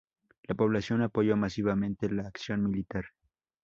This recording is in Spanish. La población apoyó masivamente la acción militar.